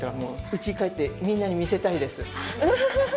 家に帰ってみんなに見せたいです。